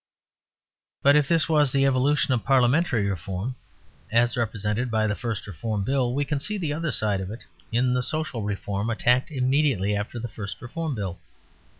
But if this was the evolution of parliamentary reform, as represented by the first Reform Bill, we can see the other side of it in the social reform attacked immediately after the first Reform Bill.